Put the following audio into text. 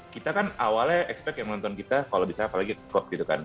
kita kan awalnya expect yang nonton kita kalau bisa apalagi kekop gitu kan